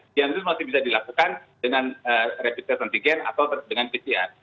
diam itu masih bisa dilakukan dengan rapid test antigen atau dengan pcr